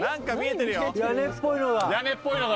屋根っぽいのが。